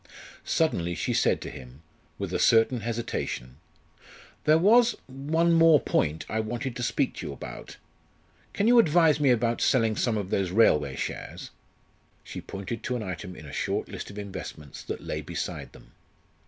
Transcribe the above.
Suddenly she said to him, with a certain hesitation: "There was one more point I wanted to speak to you about. Can you advise me about selling some of those railway shares?" She pointed to an item in a short list of investments that lay beside them.